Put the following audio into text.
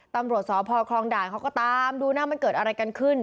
ตำรวจสพคลองด่านเขาก็ตามดูนะมันเกิดอะไรกันขึ้น